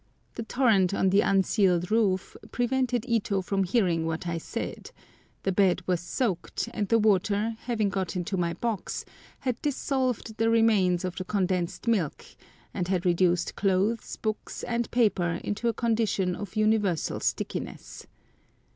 The torrent on the unceiled roof prevented Ito from hearing what I said, the bed was soaked, and the water, having got into my box, had dissolved the remains of the condensed milk, and had reduced clothes, books, and paper into a condition of universal stickiness.